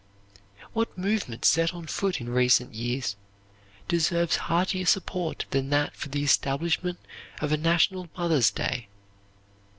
What movement set on foot in recent years, deserves heartier support than that for the establishment of a national Mothers' Day?